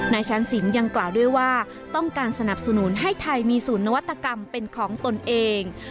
ชั้นสินยังกล่าวด้วยว่าต้องการสนับสนุนให้ไทยมีศูนย์นวัตกรรมเป็นของตนเอง